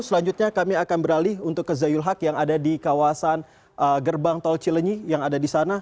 selanjutnya kami akan beralih untuk ke zayul haq yang ada di kawasan gerbang tol cilenyi yang ada di sana